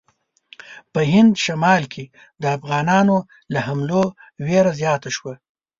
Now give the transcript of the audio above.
په هند شمال کې د افغانانو له حملو وېره زیاته شوه.